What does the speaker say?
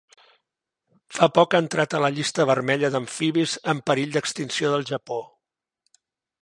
Fa poc ha entrat a la llista vermella d'amfibis amb perill d'extinció del Japó.